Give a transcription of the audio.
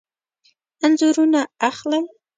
انځورونه اخلئ؟